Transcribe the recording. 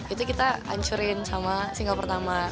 itu kita ancurin sama single pertama